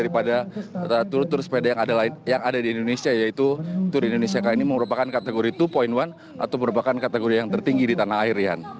daripada tur tur sepeda yang ada di indonesia yaitu tour de indonesia kali ini merupakan kategori dua satu atau merupakan kategori yang tertinggi di tanah air